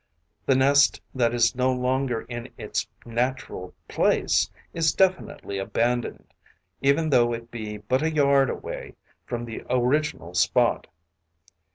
The nest that is no longer in its natural place is definitely abandoned, even though it be but a yard away from the original spot.